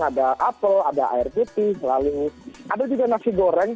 ada apel ada air putih lalu ada juga nasi goreng